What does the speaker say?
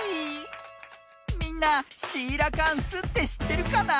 みんなシーラカンスってしってるかな？